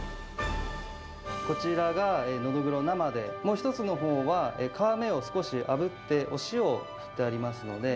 こちらがノドグロ生で、もう一つのほうは、皮目を少しあぶって、お塩を振ってありますので。